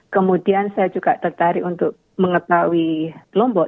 kemudian saya juga tertarik untuk mengetahui lombok